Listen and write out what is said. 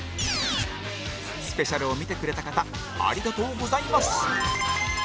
スペシャルを見てくれた方ありがとうございます！